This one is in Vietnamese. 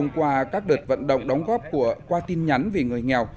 qua các đợt vận động đóng góp qua tin nhắn vì người nghèo